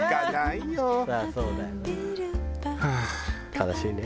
悲しいね。